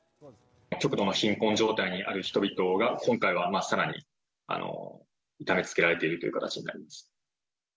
極度の貧困状態にある人々が、今回はさらに痛めつけられているという形になります。